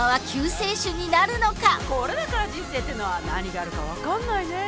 これだから人生ってのは何があるか分かんないね。